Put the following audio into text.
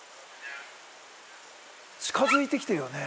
近づいて来てるよね。